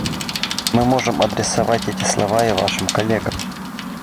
Мы может адресовать эти слова и Вашим коллегам.